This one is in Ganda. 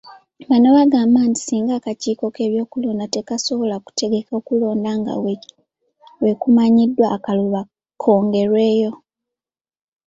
Bano bagamba nti singa Akakiiko k'ebyokulonda tekasobola kutegeka kulonda nga bwekumanyiddwa, akalulu kongerweyo.